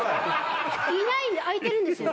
いないんで空いてるんですよ